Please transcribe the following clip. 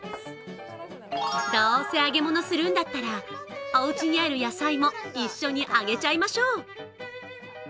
どうせ揚げ物するんだったら、おうちにある野菜も一緒に揚げちゃいましょう。